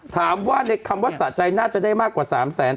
ถามว่าในคำว่าสะใจน่าจะได้มากกว่า๓แสน